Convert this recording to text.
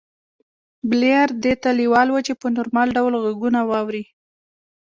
بلییر دې ته لېوال و چې په نورمال ډول غږونه واوري